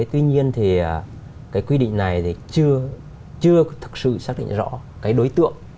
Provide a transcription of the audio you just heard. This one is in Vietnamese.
tuy nhiên thì cái quy định này thì chưa thực sự xác định rõ cái đối tượng